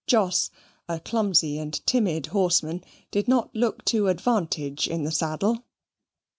Jos, a clumsy and timid horseman, did not look to advantage in the saddle.